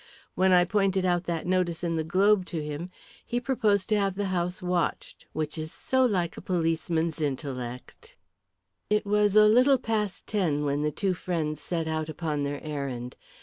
When I pointed out that notice in the Globe to him he proposed to have the house watched, which is so like a policeman's intellect." It was a little past ten when the two friends set out upon their errand.